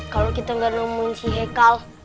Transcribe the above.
kalau kita gak nemu si heikal